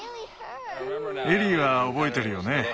エリーは覚えてるよね？